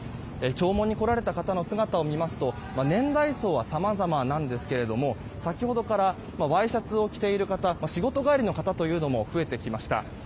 弔問に来られた方の姿を見ますと年代層はさまざまなんですが先ほどからワイシャツを着ている方、仕事帰りという方も増えてきました。